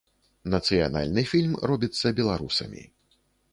Нацыянальны фільм робіцца беларусамі.